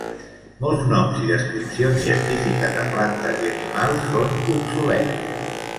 Molts noms i descripcions científiques de plantes i animals són obsolets.